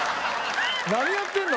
「何やってんの？」